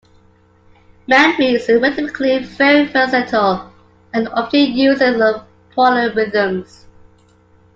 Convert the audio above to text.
Manring is rhythmically very versatile and often uses polyrhythms.